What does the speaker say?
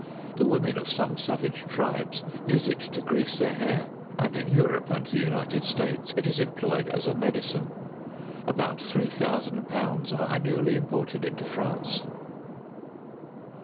The women of some savage tribes use it to grease their hair, and in Europe, and the United States, it is employed as a medicine. About three thousand pounds are annually imported into France.